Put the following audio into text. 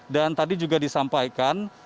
dan tadi juga disampaikan